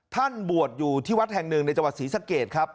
ท่านบวชอยู่ที่วัดแห่งหนึ่งในจังหวัดศรีสะเกดครับ